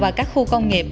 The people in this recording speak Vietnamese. và các khu công nghiệp